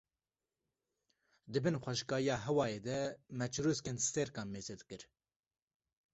di bin xweşikahiya hêwayê de me çirûskên stêrkan meze dikir